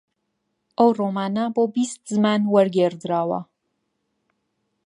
ئەو ڕۆمانە بۆ بیست زمان وەرگێڕدراوە